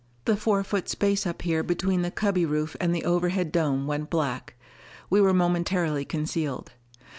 The four foot space up here between the cubby roof and the overhead dome, went black. We were momentarily concealed.